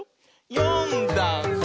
「よんだんす」